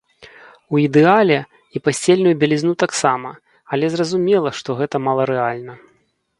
У ідэале, і пасцельную бялізну таксама, але зразумела, што гэта маларэальна.